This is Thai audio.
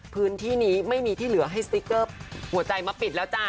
พื้นที่นี้ไม่มีที่เหลือให้สติ๊กเกอร์หัวใจมาปิดแล้วจ้ะ